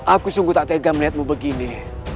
aku sungguh tak tega melihatmu begini